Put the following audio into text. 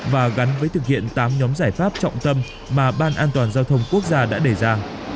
và gắn với thực hiện tám nhóm giải pháp trọng tâm mà ban an toàn giao thông quốc gia đã đề ra